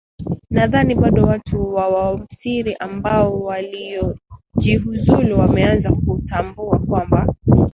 nadhani bado watu wa wa msri ambao waliojihuzulu wameanza kutambua kwamba